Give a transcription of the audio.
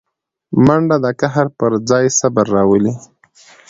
منډه د قهر پر ځای صبر راولي